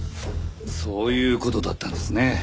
そういう事だったんですね。